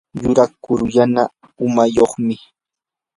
yuraq kuru yana umayuqmi.